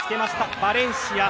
バレンシア。